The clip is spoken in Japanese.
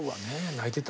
泣いてた。